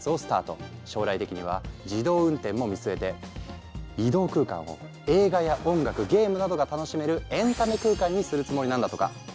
将来的には自動運転も見据えて移動空間を映画や音楽ゲームなどが楽しめるエンタメ空間にするつもりなんだとか。